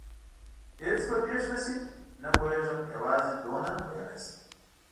هېڅ به پېښ نه شي؟ نه پوهېږم، یوازې دومره ویلای شم.